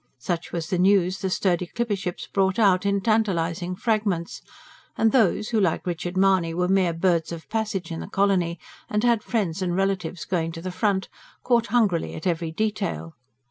Such was the news the sturdy clipper ships brought out, in tantalising fragments; and those who, like Richard Mahony, were mere birds of passage in the colony, and had friends and relatives going to the front, caught hungrily at every detail.